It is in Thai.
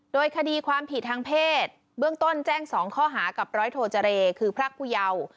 โดยคดีความผิดทางเพศเบื้องต้นแจ้ง๒ข้อหากับร้อยโทเจรคือพรากผู้เยา